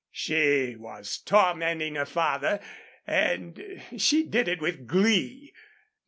She was tormenting her father and she did it with glee.